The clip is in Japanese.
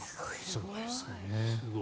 すごいですね。